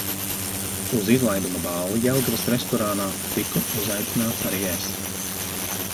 Uz izlaiduma balli Jelgavas restorānā tiku uzaicināts arī es.